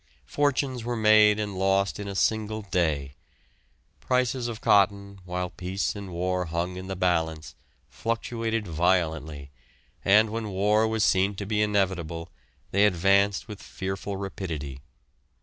Fortunes were made and lost in a single day. Prices of cotton, while peace and war hung in the balance, fluctuated violently, and when war was seen to be inevitable, they advanced with fearful rapidity.